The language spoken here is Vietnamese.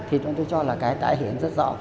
thì tôi cho là cái tải hiện rất rõ